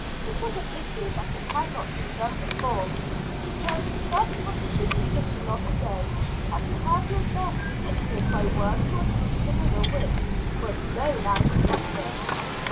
It was a pity that it had not been done before; because such was the superstition of the day, that to have your death predicted by one who was considered a witch was no laughing matter.